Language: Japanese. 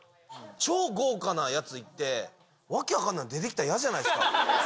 超豪華なやついって、訳分かんないの出てきたら嫌じゃないですか。